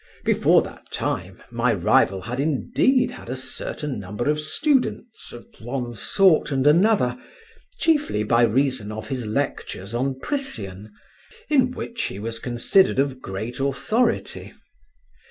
Before that time my rival had indeed had a certain number of students, of one sort and another, chiefly by reason of his lectures on Priscian, in which he was considered of great authority.